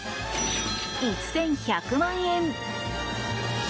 １１００万円！